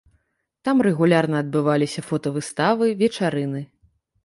Там рэгулярна адбываліся фотавыставы, вечарыны.